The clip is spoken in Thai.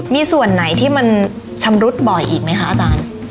มีส่วนไหนที่มันชำรุดบ่อยอีกไหมคะอาจารย์